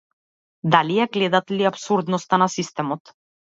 Дали ја гледате ли апсурдноста на системот?